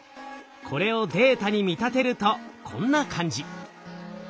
これをデータに見立てるとこんな感じ。